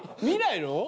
見ないの？